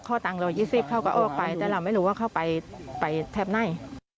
ตังค์เรา๒๐เขาก็ออกไปแต่เราไม่รู้ว่าเขาไปแถบไหน